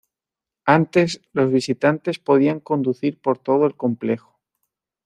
Antes los visitantes podían conducir por todo el complejo.